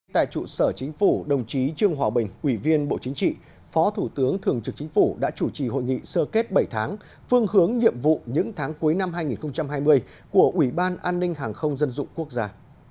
tại trụ sở chính phủ đồng chí trương hòa bình ủy viên bộ chính trị phó thủ tướng thường trực chính phủ đã chủ trì hội nghị sơ kết bảy tháng phương hướng nhiệm vụ những tháng cuối năm hai nghìn hai mươi của ủy ban an ninh hàng không dân dụng quốc gia